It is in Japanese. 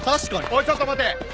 おいちょっと待て。